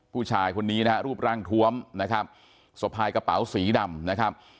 ผู้ชายคนนี้นะฮะรูปร่างทวมนะครับสะพายกระเป๋าสีดำนะครับ